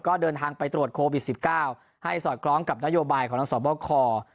ก็เดินทางไปตรวจโควิด๑๙ให้สอดคล้องกับนโยบายของทางสอบคอ